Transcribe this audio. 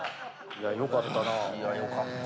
いやよかった。